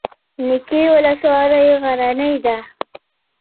نکې ولسوالۍ غرنۍ ده؟